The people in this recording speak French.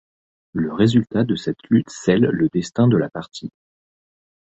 Le résultat de cette lutte scelle le destin de la partie.